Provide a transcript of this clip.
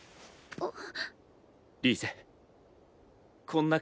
あっ。